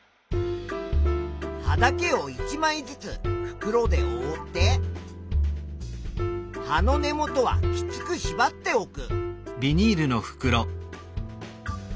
葉だけを１まいずつ袋でおおって葉の根元はきつくしばっておく。